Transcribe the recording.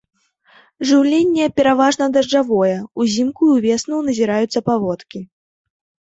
Жыўленне пераважна дажджавое, узімку і ўвесну назіраюцца паводкі.